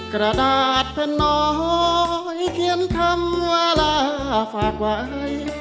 กระดาษแผ่นน้อยเขียนคำว่าลาฝากไว้